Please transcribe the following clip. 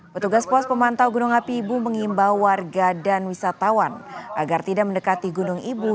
petugas pos pemantau gunung api ibu mengimbau warga dan wisatawan agar tidak mendekati gunung ibu